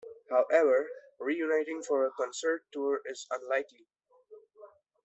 However, reuniting for a concert tour is unlikely.